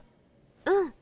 うん。